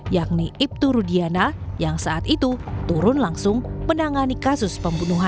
yakni ibtu rudiana yang saat itu turun langsung menangani kasus pembunuhan